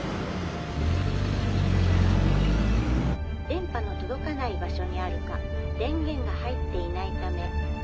「電波の届かない場所にあるか電源が入っていないためかかりません」。